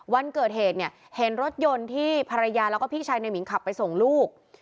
วันเกิดเหตุเนี่ยเห็นรถยนต์ที่ภรรยาแล้วก็พี่ชายในหมิงขับไปส่งลูก